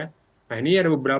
nah ini ada beberapa